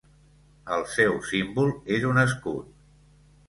El seu símbol és un escut.